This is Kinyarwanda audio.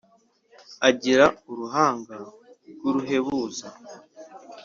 Agira uruhanga rw'uruhebuza,